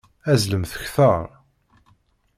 Azzlemt kteṛ!